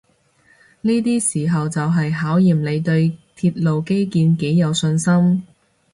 呢啲時候就係考驗你對鐵路基建幾有信心